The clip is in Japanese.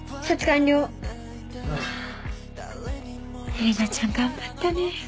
英玲奈ちゃん頑張ったね。